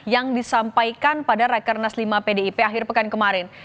yang disampaikan pada rakernas lima pdip akhir pekan kemarin